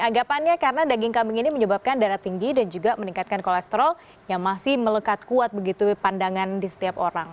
anggapannya karena daging kambing ini menyebabkan darah tinggi dan juga meningkatkan kolesterol yang masih melekat kuat begitu pandangan di setiap orang